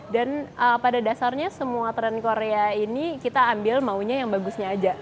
dan pada dasarnya semua trend korea ini kita ambil maunya yang bagusnya aja